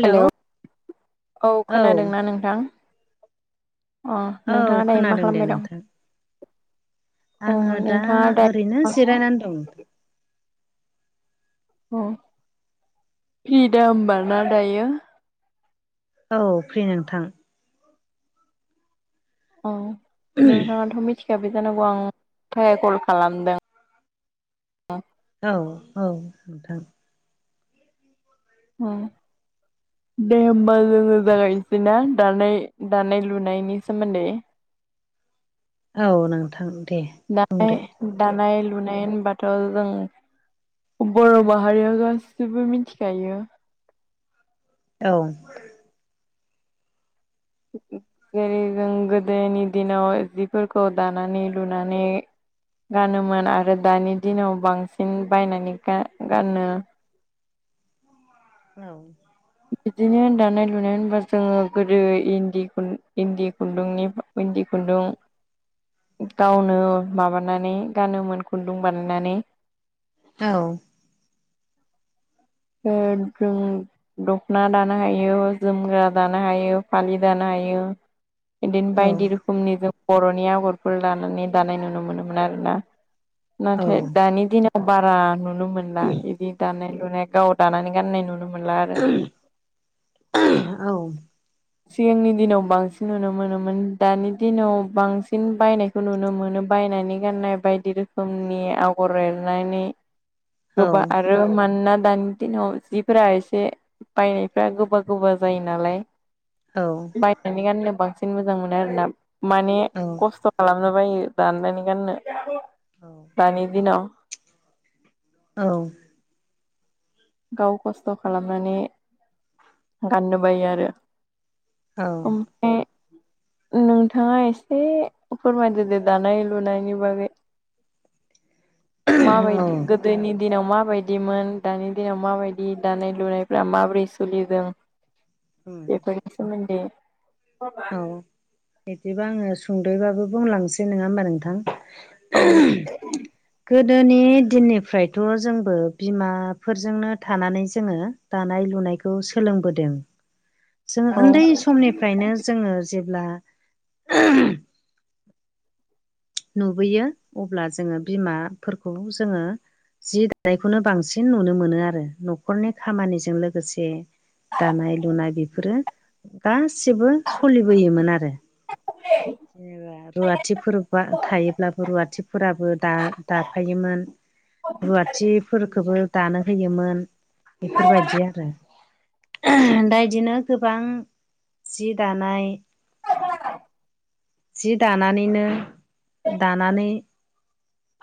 Hello औ खोनादोंना नोंथां अ औ नोंथाङा दायो मा खोनादों दे खालामबाय दं नोंथां अ आङो दा नोंथाङा ओरैनो दायो अ जिरायनानै दं अ फ्रिदा होनबाना दायो औ फ्रि नोंथां औ नोंथाङाथ' मिथिखाबाय जानांगौ आं मानि थाखाय कल खालामदों औ औ नोंथां दे होमबा जोङो जागायनोसै बिदिना दानाय दानाय लुनायनि सोमोन्दै औ नोंथां दे दानाय बुंदो दानाय लुनाय होनबाथ' जों बर' माहारिया गासिबो मिथिखायो औ जेरै जों गोदोनि दिनाव जिफोरखौ दानानै लुनानै गानोमोन आरो दानि दिनाव बांसिन बायनानै गानो औ बिदिनो दानाय लुनाय होनबा जोङो गोदो इनदि इन्दि खुन्दुंनि इन्दि खुनदुं गावनो माबानानै गानोमोन खुन्दुं बानायनानै औ [unintelligible] दख'ना दानो हायो जोमग्रा दानो हायो फालि दानो हायो बिदिनो बायदि रोखोमनि जों बर'नि आगरफोर लानानै दानाय नुनो मोनोमोन आरो ना औ नाथाय दानि दिनाव बारा नुनो मोनला बिदि दानाय लुनाय गाव दानानै गाननाय नुनो मोनला आरो औ सिगांनि दिनाव बांसिन नुनो मोनोमोन दानि दिनाव बांसिन बायनाय खौ नुनो मोनो बायनानै गाननाय बायदि रोखोमनि आगर एरनानै गोबां आरो मानोना दानि दिनाव जिफोरा एसे बायनायफ्रा गोबा गोबा जायो नालाय औ बायनानै गाननो बांसिन मोजां मोनो आरोना माने औ खस्थ' खालामनो बायो दानानै गाननो दानि दिनाव औ गाव खस्थ' खालामनानै गाननो बायो आरो औ उम ए नोंथाङा एसे फोरमायदो दे दानाय लुनायनि बागै माबायदि गो दोनि दिनाव माबायदिमोन दानि दिनाव माबायदि दानाय लुनायफ्रा माबोरै सोलिदों बेफोरनि सोमोन्दै बिदिबा आङो सुंद'यैबाबो बुंलांनोसै नङा होमबा नोंथां औ [inaudible] गोदोनि दिननिफ्रायथ' जोंबो बिमाफोरजोंनो थानानै जोङो दानाय लुनायखौ सोलोंबोदों [inaudible] जोङो उन्दै समनिफ्रायनो जोङो जेब्ला नुबोयो अब्ला जोङो बिमाफोरखौ जोङो जि दानायखौनो बांसिन नुनो मोनो आरो न'खरनि खामानिजों लोगोसे दानाय लुनाय बेफोरो गासिबो सलिबोयोमोन आरो [unintelligible] जेनेबा रुवाथिफोर औ थायोब्लाबो रुवाथिफोराबो दा दाफायोमोन औ रुवाथिफोरखौबो दानो होयोमोन बेफोरबायदि आरो दा इदिनो गोबां जि दानाय [unintelligible] जि दानानैनो दानानै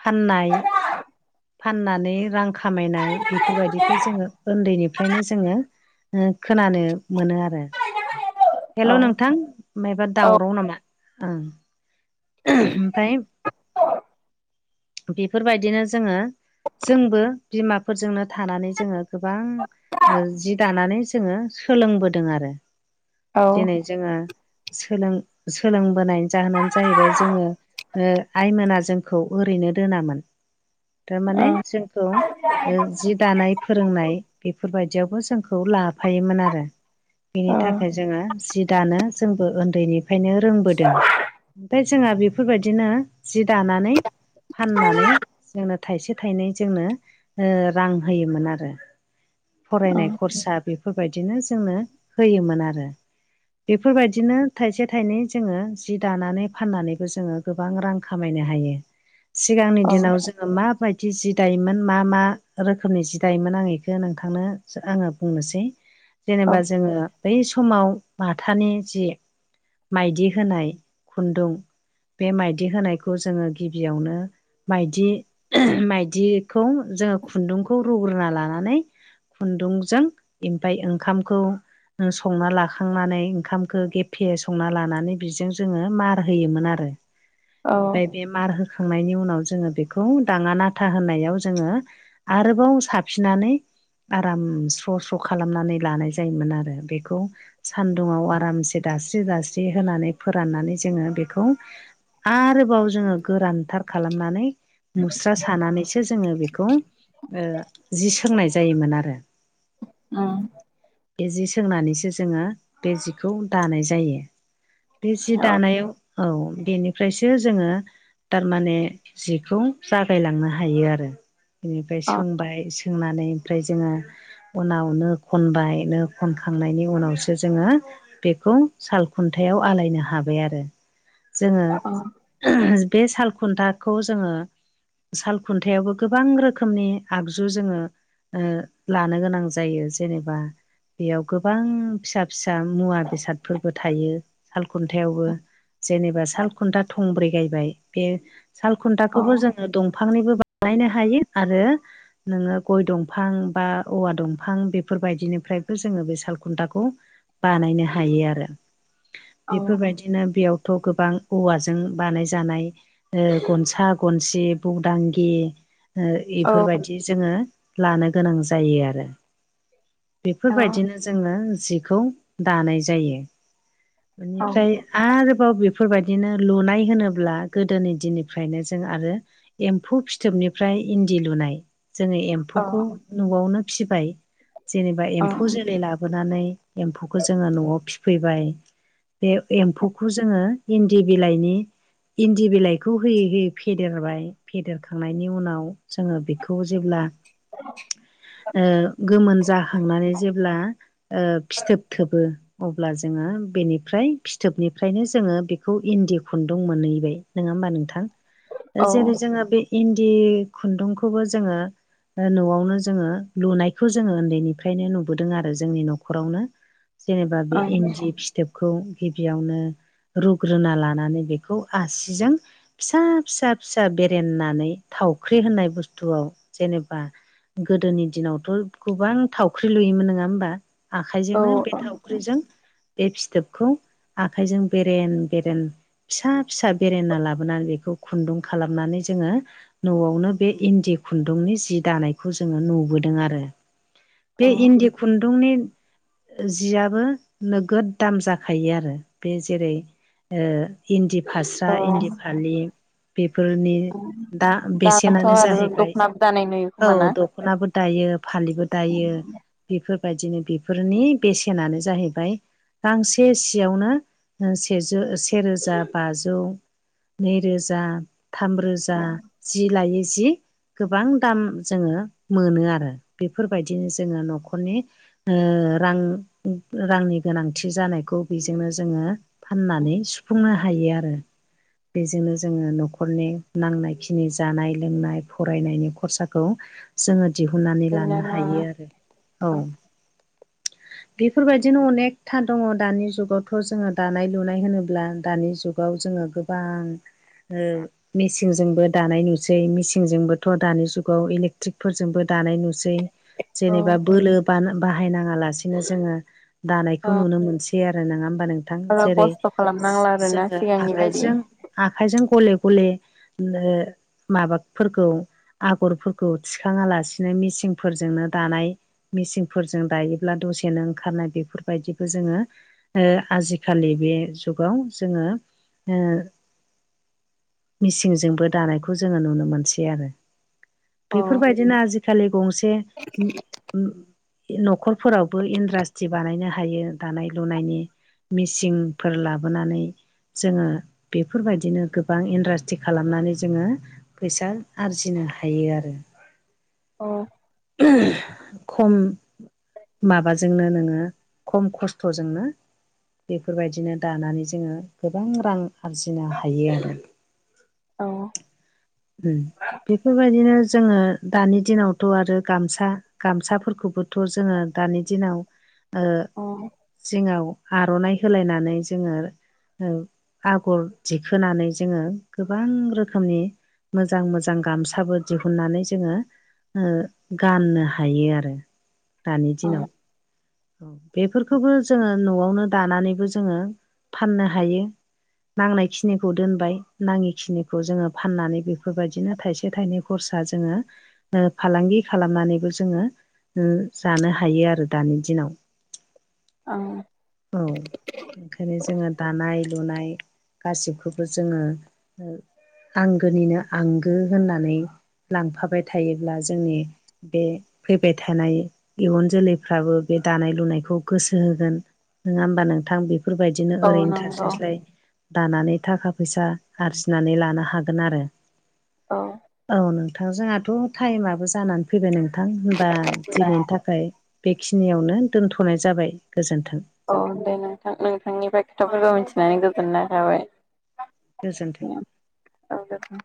फाननाय फाननानै रां खामायनाय बेफोरबायदिखौ जोङो उन्दैनिफ्रायनो जोङो ओ खोनानो मोनो आरो हेलौ नोंथां मायबा दावराव नामा ओं ओमफ्राय बेफोरबायदिनो जोङो जोंबो बिमाफोरजोंनो थानानै जोङो गोबां ओ जि दानानै जोङो सोलोंबोदों आरो औ दिनै जोङो सोलों सोलोंबोनायनि जाहोनानो जाहैबाय जोङो ओ आइमोना जोंखौ ओरैनो दोनामोन थारमाने जोंखौ जि दानाय फोरोंनाय बेफोरबायदियावबो जोंखौ लाफायोमोन आरो बेनि औ थाखाय जोङो जि दानो जोंबो उन्दैनिफ्रायनो रोंबोदों ओमफ्राय जोंहा बेफोरबायदिनो जि दानानै फाननानै जोंनो थाइसे थाइनै जोंनो रां होयोमोन आरो फरायनाय खरसा बेफोरबायदिनो जोंनो होयोमोन आरो बेफोरबायदिनो थाइसे थाइनै जोङो जि दानानै फाननानैबो जोङो गोबां रां खामायनो हायो [inaudible] सिगांनि दिनाव जों ङो माबायदि जि दायोमोन मा मा रोखोमनि जि दायोमोन आं इखौ नोंथांनो आङो बुंनोसै [inaudible] जेनेबा जोङो बै समाव माथानि जि माइदि होनाय खुन्दुं बे माइदि होनायखौ जोङो गिबियावनो माइदि माइदिखौ जोङो खुन्दुंखौ रुग्रोना लानानै खुन्दुंजों ओमफाय ओंखामखौ संना लाखांनानै ओंखामखौ गेफे संना लानानै बिजों जोङो मार होयोमोन आरो ओमफ्राय बे मार होखांनायनि उनाव जोङो बे खौ दाङा नाथा होनायाव जोङो आरोबाव साफिननानै आराम स्र' स्र' खालामनानै लानाय जायोमोन आरो बेखौ सान्दुङाव आरामसे दास्रि दास्रि होनानै फोराननानै जोङो बेखौ आरोबाव जोङो गोरानथार खालामनानै मुस्रा सानानैसो जोङो बेखौ ओ जि सोंनाय जायोमोन आरो [unintelligible] बे जि सोंनानैसो जोङो बे जिखौ दानाय जायो बे जि दानायाव औ बेनिफ्रायसो जोङो थारमाने जिखौ जागायलांनो हायो आरो बेनिफ्राय सोंबाय सोंनानै ओमफ्राय जोङो उनाव नो खनबाय नो खनखांनायनि उनावसो जोङो बेखौ साल खुन्थायाव आलायनो हाबाय आरो जोङो बे साल खुन्थाखौ जोङो साल खुन्थायावबो गोबां रोखोमनि आगजु जोङो ओ लानो गोनां जायो जेनेबा बेयाव गोबां फिसा फिसा मुवा बेसादफोरबो थायो साल खुन्थायावबो जेनेबा सालखुन्था थंब्रै गायबाय बे सालखुन्थाखौबो जों दंफांनिबो बानायनो हायो आरो नोङो गय दंफां बा औवा दंफां बेफोरबायदिनिफ्रायबो जोङो बे सालखुन्थाखौ बानायनो हायो आरो बेफोरबायदि बिदिनो बेयावथ' गोबां औवाजों बानाय जानाय गनसा गन जि बौदांगि इफोरबादि बिदि जोङो लानो गोनां जायो आरो बेफोरबायदिनो जोङो जिखौ दानाय जायो बेनिफ्राय आरोबाव बेफोरबायदिनो लुनाय होनोब्ला गोदोनि दिननिफ्रायनो जों आरो एम्फौ फिथोबनिफ्राय इन्दि लुनाय जोङो एम्फौखौ न'आवनो फिबाय जेनेबा एम्फौ जोलै लाबो लााबोनानै एम्फौखौ जोङो न'आव फिफैबाय बे एम्फौखौ जोङो इन्दि बिलाइनि इन्दि बिलाइखौ होयै होयै फियो फेदेरबाय फेदेरखांनायनि उनाव जोङो बेखौ जेब्ला औ गोमोन जाखांनानै जेब्ला फिथोब थोबो अब्ला जोंङो बेनिफ्राय फिथोबनिफ्रायनो जोंङो बेखौ इन्दि खुन्दुं मोनहैबाय नंङा होमबा नोंथां जेरै जोंङो बे इन्दि खुन्दुंखौबो जोंङो न'आवनो जोंङो लुनायखौ जोंङो उन्दैनिफ्रायनो नुबोदों आरो जोंनि न'खरावनो जेनेबा बे इन्दि फिथोबखौ गिबियावनो रुग्रोना लानानै बेखौ आसिजों फिसा फिसा फिसा बेरेनानै थावख्रि होननाय बुस्थुआव जेनेबा गोदोनि दिनावथ' गोबां थावख्रि लुयोमोन नङा होमबा आखाइजोंनो बे थावख्रिजों बे फिथोबखौ आखाइजों बेरेन बेरेन फिसा फिसा बेरेना लाबोनानै बेखौ खुन्दुं खालामनानै जोङो न'आवनो बे इन्दि खुन्दुंनि जि दानायखौ जोङो नुबोदों आरो औ बे इन्दि खुन्दुंनि जियाबो नोगोद दाम जाखायो आरो बे जेरै इन्दि फास्रा औ इन्दि फालि बेफोरनि दा दाथ' बेसेनानो आरो जाहैबाय दख'नाबो दानाय नुयो औ खोमाना? दख'नाबो दायो फालिबो दायो बेफोरबायदिनो बेफोरनि बेसेनानो जाहैबाय गांसे सियावनो सेजौ सेरोजा बाजौ नैरोजा थामरोजा जि लायो जि गोबां दाम जोंङो मोनो आरो बेफोरबायदिनो जोंङो न'खरनि रां रांनि गोनांथि जानायखौ बेजोंनो जोंङो फाननानै सुफुंनो हायो आरो बेजोंनो जोंङो न'खर न'खरनि नांनाय खिनि जानाय लोंनाय फरायनायनि खरसाखौ जोंङो दिहुननानै लानो हायो आरो औ बेफोरबायदिनो अनेकथा दंङो दानि जुगावथ' जोंङो दानाय लुनाय होनोब्ला दानि जुग जुगाव जोंङो गोबां मेसिनजोंबो दानाय नुसै मेसिनजोंबोथ' दानि जुगाव इलेक्ट्रिकफोरजोंबो दानाय नुसै औ जेनेबा बोलो ब बाहायनाङा लासिनो जोंङो दानायखौ नुनो मोनसै बिदि आरो नंङा होमबा नोंथां बारा जेरै खस्थ' खालामनांला आरोना जोंङो सिगांनि बायदि आखाइजों आखायजों गले गले माबाफोरखौ आगरफोरखौ थिखाङा लासिनो मेचंफोरजोंनो दानाय मेचंफोरजों दायो ब्ला दसेनो ओंखारनाय बेफोरबायदिखौ जोंङो आजिखालि बे जुगाव जोंङो ओ मेसिंजोंबो दानायखौ जोंङो नुनो मोनसै आरो। औ बेफोरबायदिनो आजिखालि गंसे न'खर फोरावबो इन्डासट्रि बानायनो हायो दानाय लुनायनि मेसिंफोर लाबोनानै जोंङो बेफोरबायदिनो गोबां इन्डास्ट्रि खालामनानै जोंङो फैसा आरजिनो हायो आरो। अ खम माबाजोंनो नोंङो खम खस्थ'जोंनो बेफोरबायदिनो दानानै जोंङो गोबां रां आरजिनो हायो आरो। औ बेफोरबायदिनो जोंङो दानि दिनावथ' आरो गामसा गामसाफोरखौबोथ' जोंङो दानि दिनाव ओ औ जिङाव आर'नाइ होलायनानै जोंङो आगर दिखोनानै जोङो गोबां रोखोमनि मोजां मोजां गामसाबो दिहुननानै जोङो गाननो हायो आरो दानि दिनाव। औ बेफोरखौबो जोङो न'आवनो दानानैबो जोङो फाननो हायो। नांनायखिनिखौ दोनबाय नाङिखिनिखौ जोङो फाननानै बेफोरबायदिनो थाइसे थाइनै खरसा जोङो फालांगि खालामनानैबो जोङो जानो हायो आरो दानि दिनाव आ औ ओंखायनो जोंङो दानाय लुनाय गासिबखौबो जोंङो आंगोनिनो आंगो होननानै लांफाबाय थायोब्ला जोंनि बे फैबाय थानाय इयुन जोलैफ्राबो बे दानाय लुनायखौ गोसो होगोन नंङा होमबा नोंथां बेफोरबायदि बिदिनो औ ओरैनो नंगौ थास्लायस्लाय दानानै थाखा फैसा आरजिनानै लानो हागोन आरो औ औ नों नोंथांजोंहाथ' टाइमाबबो जानानै फैबाय नोंथां होनबा दिनैनि थाखाय ओमफ्राय बेखिनियावनो दोनथ'नाय जाबाय गोजोन्थों। औ दे नोंथां नोंथांनिफ्राय खोथाफोरखौ मिथिनानै गोजोननाय थाबाय। गोजोन्थों औ